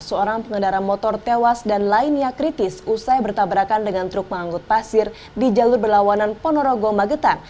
seorang pengendara motor tewas dan lainnya kritis usai bertabrakan dengan truk menganggut pasir di jalur berlawanan ponorogo magetan